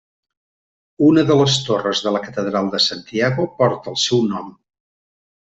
Una de les torres de la catedral de Santiago, porta el seu nom.